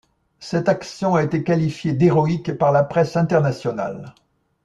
Cette action a été qualifiée d’héroïque par la presse internationale.